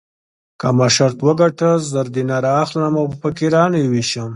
که ما شرط وګټه زر دیناره اخلم او په فقیرانو یې وېشم.